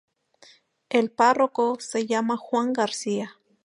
El párroco se llama Juan García.